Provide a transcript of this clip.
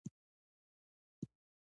د بدن غوړو سوځول.